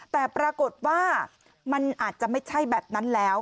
แต่ปรากฏว่ามันอาจจะไม่ใช่แบบนั้นแล้ว